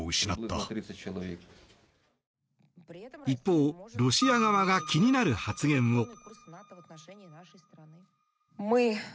一方、ロシア側が気になる発言を。